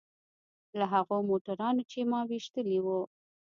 له هغو موټرانو چې ما ويشتلي وو.